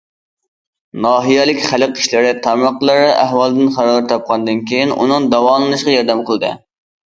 ناھىيەلىك خەلق ئىشلىرى تارماقلىرى ئەھۋالدىن خەۋەر تاپقاندىن كېيىن، ئۇنىڭ داۋالىنىشىغا ياردەم قىلدى.